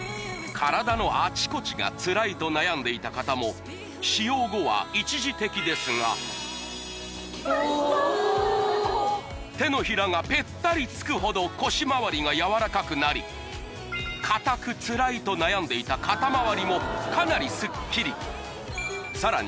体のあちこちがつらいと悩んでいた方も使用後は一時的ですが手のひらがぺったりつくほど腰まわりがやわらかくなり硬くつらいと悩んでいた肩まわりもかなりスッキリさらに